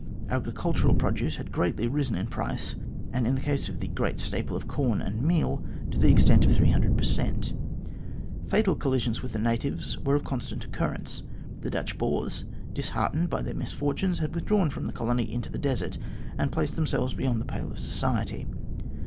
Agricultural produce had greatly risen in price, and in the case of the great staple of corn and meal, to the extent of 300 per cent. Fatal collisions with the natives were of constant occurrence. The Dutch Boers, disheartened by their misfortunes, had withdrawn from the colony into the desert, and placed themselves beyond the pale of society.